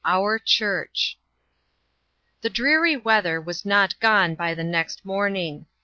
"CUE CHURCH." THE dreary weather was not gone by the next morning.